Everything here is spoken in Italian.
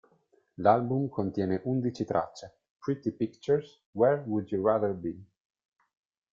L'album contiene undici tracce: "Pretty Pictures", "Where Would You Rather Be?